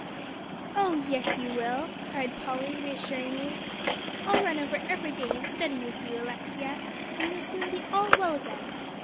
"Oh, yes, you will," cried Polly reassuringly, "I'll run over every day, and study with you, Alexia. And you'll soon be all well again.